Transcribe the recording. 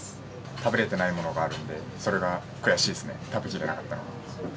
食べれてないものがあるんで、それが悔しいですね、食べきれなかったのが。